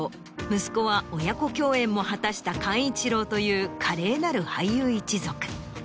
息子は親子共演も果たした寛一郎という華麗なる俳優一族。